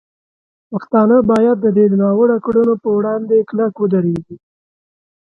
پښتانه باید د دې ناوړه کړنو په وړاندې کلک ودرېږي.